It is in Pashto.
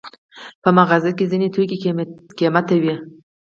په مغازه کې ځینې توکي قیمته وي.